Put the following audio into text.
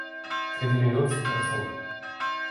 Исходили вёрсты торцов.